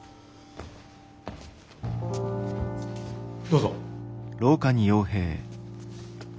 どうぞ。